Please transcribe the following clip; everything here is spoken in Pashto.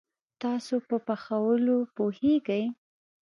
تاسو په پخولوو پوهیږئ؟